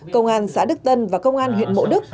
công an xã đức tân và công an huyện mộ đức